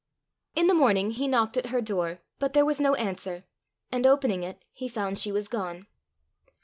In the morning he knocked at her door, but there was no answer, and opening it, he found she was gone.